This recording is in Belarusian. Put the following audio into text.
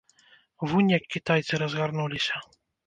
Вунь як кітайцы разгарнуліся!